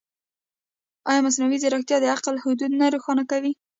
ایا مصنوعي ځیرکتیا د عقل حدود نه روښانه کوي؟